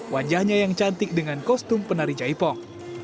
wajahnya yang cantik dengan kostum penari jaipong